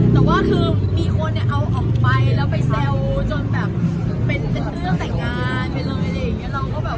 แต่ว่ามีคนเอาออกไปแล้วไปแซวจนแบบเป็นเรื่องแต่งงาน